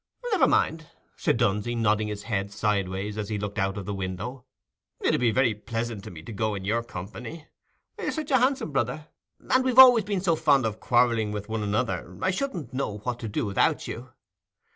"Never mind," said Dunsey, nodding his head sideways as he looked out of the window. "It 'ud be very pleasant to me to go in your company—you're such a handsome brother, and we've always been so fond of quarrelling with one another, I shouldn't know what to do without you.